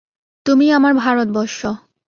তুমিই আমার ভারতবর্ষ।